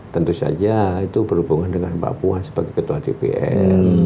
tentu saja itu berhubungan dengan mbak puan sebagai ketua dpr